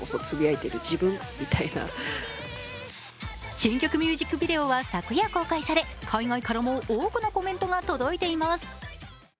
新曲ミュージックビデオは昨夜公開され海外からも多くのコメントが届いています。